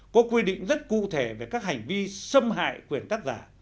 có quy định rất cụ thể về các hành vi xâm hại quyền tác giả